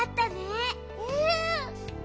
うん。